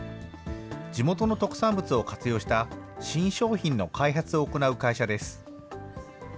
地元の特産物を活用した新商品の開発を行う会社です。